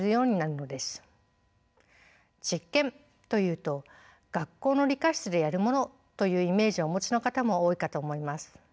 実験というと学校の理科室でやるものというイメージをお持ちの方も多いかと思います。